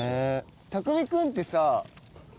匠海君ってさ。